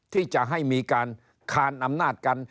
ที่จะให้มีการคานอำนาจกัน